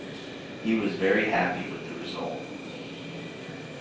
He was very happy with the result.